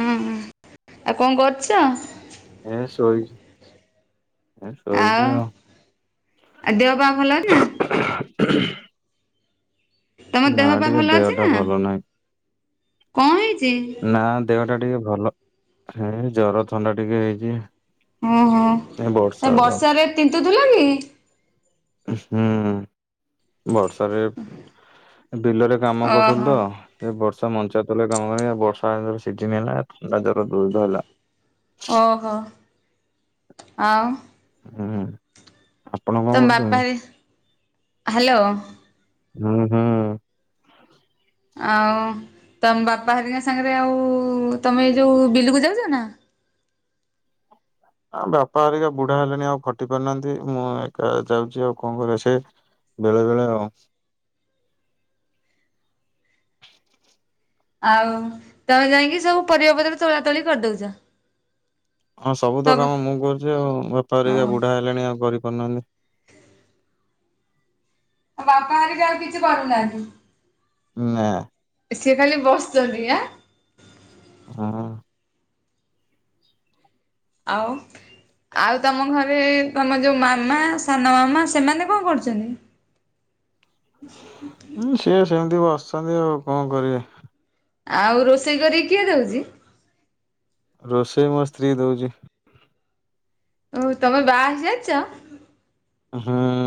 ହୁଁ ଉଁ, ଆଉ କଣ କରୁଚ? ଏଁ ଶୋଇଛି। ଏ ଶୋଇଛି ଆଉ। ଆଉ ଦେହ ପା ଭଲ ଅଛି ନା? ତମ ନା ଦେହ ପା ଟିକେ ଭଲ ଅଛି ଦେହଟା ନା, ଭଲ ନାହିଁ କଅଁ ହେଇଛି? ନାଁ ଦେହଟା ଟିକେ ଭଲ, ହେଇ ଜ୍ଵର ଥଣ୍ଡା ଟିକେ ହେଇଛି। ଓହୋ। ଏ ନାଇଁ ବର୍ଷା ତ। ବର୍ଷାରେ ତିନ୍ତୁଥିଲ କି? ହୁଁ। ବର୍ଷାରେ, ବିଲରେ କାମ କରୁଥିଲି ଓହୋ ତ ସେ ବର୍ଷା ମଞ୍ଚା ତଳେ କାମ ହୁଏ ଆଉ, ବର୍ଷା ଆଙ୍କର ସିଜିିନ ହେଲା ଏଥର ଥଣ୍ଡା ଜର ଜୋରେ ଧଇଲା। ଓହୋ। ଆଉ ହୁଁ। ଆପଣ କଣ ତମ କରୁଛନ୍ତି? ବାପା ହେରି, ହ୍ୟାଲୋ। ହୁଁ ହୁଁ। ଆଉ ତମ ବାପା ହେରିକାଙ୍କ ସାଙ୍ଗେରେ ଆଉ ତମେ ଏଇ ଯୋଉ ବିଲକୁ ଯାଉଛ ନା? ଆମ ବାପା ହେରିକା ବୁଢା ହେଲେଣି ଆଉ ଖଟି ପାରୁନାହାଁନ୍ତି, ମୁଁ ଏକା ଯାଉଛି ଆଉ କଣ କରିବା। ସେ ବେଳେବେଳେ ଆଉ। ଆଉ ତମେ ଯାଇଁକି ସବୁ ପରିବା ପତ୍ର ତୋଳା ତୋଳି କରିଦଉଛ? ହଁ ସବୁ ତ କାମ ମୁଁ କରୁଛି ଆଉ, ବାପା ଓ ହେରିକା ବୁଢ଼ା ହେଲେଣି ଆଉ କରିପାରୁନାହାଁନ୍ତି। ତମ ବାପା ହେରିକା ଆଉ କିଛି କରୁନାହାଁନ୍ତି? ଉଁ ନା। ସିଏ ଖାଲି ବସୁଛନ୍ତି ଆଁ? ହଁ। ଆଉ, ଆଉ ତମ ଘରେ ତମ ଯୋଉ ମାମା, ସାନମାମା, ସେମାନେ କଣ କରୁଛନ୍ତି? ହୁଁ ସିଏ ସେମତି ବସିଛନ୍ତି ଆଉ କଅଁ କରିବେ। ଆଉ ରୋଷେଇ କରିକି କିଏ ଦଉଛି? ରୋଷେଇ ମୋ ସ୍ତ୍ରୀ ଦଉଚି। ଓହୋ, ତମେ ବାହା ହେଇସାରିଛ? ହୁଁ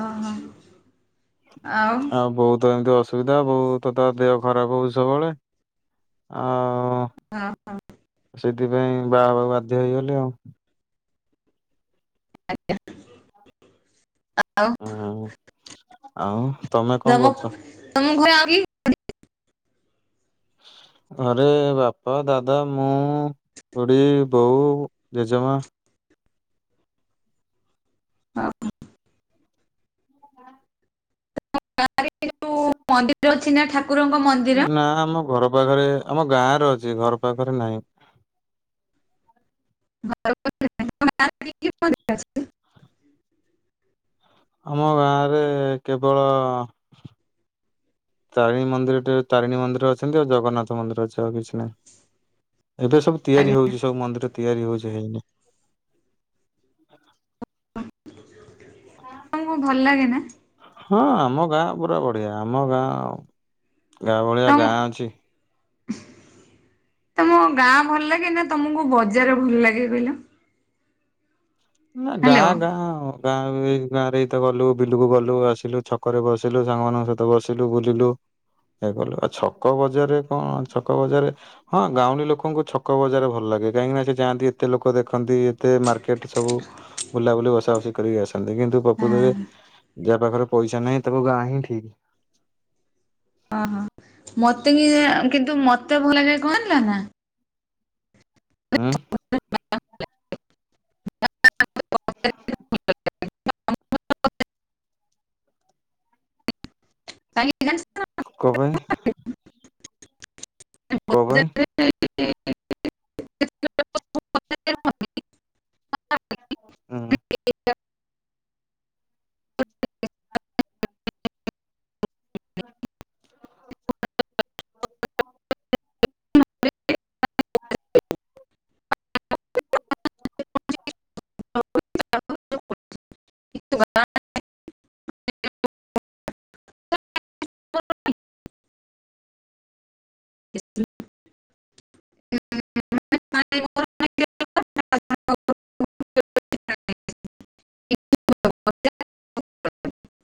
ଓହୋ ଆଉ ବୋଉ ତ ଏମତି ଅସୁ ସୁବିଧା, ବୋଉ ତ ତା ଦେହ ଖରାପ ହଉଚି ସବୁବେଳେ, ଆଉ ହଁ ହଁ। ସେଥିପାଇଁ ବାହାହବାକୁ ବାଧ୍ୟ ହେଇଗଲି ଆଉ। ଆଜ୍ଞା। ଆଉ ହୁଁ [unintelligible] ଆଉ ତମେ କଣ କରୁଛ? ତମ ଘରେ ଆଉ କିଏ? ଘରେ ବାପା ଦାଦା ମୁଁ ଖୁଡ଼ି, ବଉ, ଜେଜେମା ଆଉ ତେ [unintelligible] ଯୋଉ ମନ୍ଦିର ଅଛି ନା ଠାକ୍ ନା ଆମ ଘର ପାଖରେ ଆମ ଗାଁରେ ଅଛି ଘର ପାଖରେ ନାହିଁ। ଘର ପାଖରେ ନାହିଁ ତୁମ ଗାଁ ରେ କି କି ମନ୍ଦିର ଅଛି? ଆମ ଗାଁରେ କେବଳ ତାରିଣୀ ମନ୍ଦିର ଟେ ତାରିଣୀ ମନ୍ଦିର ଅଛନ୍ତି ଆଉ ଜଗନ୍ନାଥ ମନ୍ଦିର ଅଛି ଆଉ କିଛି ନାହିଁ। ଏବେ ସବୁ ତିଆରି ହଉଛି ସବୁ ମନ୍ଦିର ତିଆରି ହଉଛି ହେଇନି। [unintelligible] ତମକୁ ଭଲ ଲାଗେ ନା? ହଁ ଆମ ଗାଁ ପୁରା ବଢ଼ିଆ ଆମ ଆଉ ଗାଁ ଭଳିଆ ତମ ଗାଁ ଅଛି। ତମ ଗାଁ ଭଲ ଲାଗେ ନା ତମକୁ ବଜାର ଭଲ ଲାଗେ କହିଲ? ନା ହ୍ୟାଲୋ ଗାଁ ହଁ ଗାଁ ଆଉ। ଗାଁ ବି ଗାଁ ରେ ଏତ ଗଲୁ ବିଲକୁ ଗଲୁ ଆସିଲୁ ଛକରେ ବସିଲୁ ସାଙ୍ଗମାନଙ୍କ ସହିତ ବସିଲୁ ବୁଲିଲୁ। ଇଏ କଲୁ ଆଉ ଛକ ବଜାରରେ କ ଛକ ବଜାରରେ ହଁ ଗାଉଁଲି ଲୋକଙ୍କୁ ଛକ ବଜାର ଭଲ ଲାଗେ କାହିଁକି ନା ସେ ଯାଆନ୍ତି ଏତେ ଲୋକ ଦେଖନ୍ତି ଏତେ ମାର୍କେଟ ସବୁ ବୁଲାବୁଲି ବସା ବସି କରିକି ଆସନ୍ତି କିନ୍ତୁ ପ୍ରକୃତ ରେ ଏତେ ଯାହା ପାଖରେ ପଇସା ନାହିଁ ତାକୁ ଗାଁ ହିଁ ଠିକ୍। ହଁ ହଁ ମତେ କିଯା କିନ୍ତୁ ମତେ ଭୁଲା ଜାଏ କଣ ଥିଲା ନା ଉଁ [unintelligible] କହିଁକି ନା [unintelligible] କ ପାଇଁ? କ ପାଇଁ? ହୁଁ। [unintelligible] ହ [unintelligible] କିନ୍ତ ବଲା [unintelligible] [unintelligible] ଁ [unintelligible] ମୋର ମନେ କେତେ [unintelligible]